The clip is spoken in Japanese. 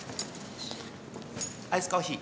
アイスコーヒー。